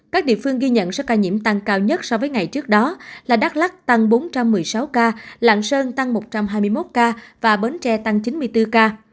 các địa phương ghi nhận số ca nhiễm tăng cao nhất so với ngày trước đó là đắk lắc tăng bốn trăm một mươi sáu ca lạng sơn tăng một trăm hai mươi một ca và bến tre tăng chín mươi bốn ca